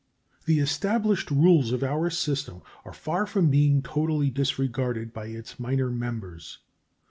The established rules of our system are far from being totally disregarded by its minor members.